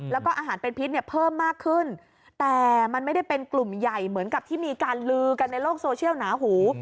แล้วก็อาหารเป็นพิษเนี่ยเพิ่มมากขึ้นแต่มันไม่ได้เป็นกลุ่มใหญ่เหมือนกับที่มีการลือกันในโลกโซเชียลหนาหู